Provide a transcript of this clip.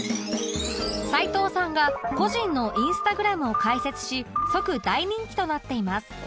齊藤さんが個人の Ｉｎｓｔａｇｒａｍ を開設し即大人気となっています